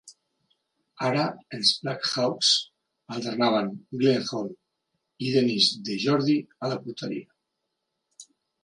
Ara els Black Hawks alternaven Glenn Hall i Denis DeJordy a la porteria.